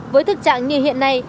với thực trạng như hiện nay